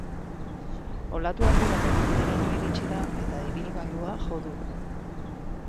Olatu handi bat errepideraino iritsi da, eta ibilgailua jo du.